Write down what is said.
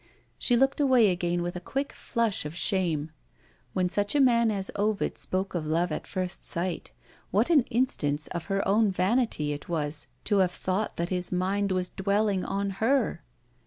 She looked away again with a quick flush of shame. When such a man as Ovid spoke of love at first sight, what an instance of her own vanity it was to have thought that his mind was dwelling on _her!